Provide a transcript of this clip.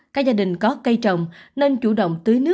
các gia đình có cây trồng nên chủ động tự